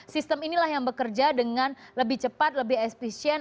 sistem inilah yang bekerja dengan lebih cepat lebih efisien